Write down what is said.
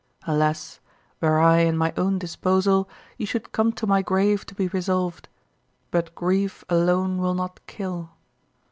Alas! were I in my own disposal, you should come to my grave to be resolved; but grief alone will not kill.